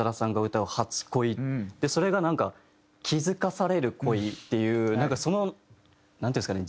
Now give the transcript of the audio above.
それがなんか気付かされる恋っていうなんかそのなんていうんですかね。